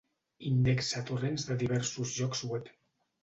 Indexa torrents de diversos llocs web.